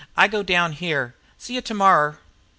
"I go down here. See you to morrer."